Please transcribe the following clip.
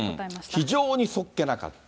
非常にそっけなかった。